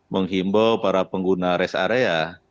menghimbau para pengguna rest area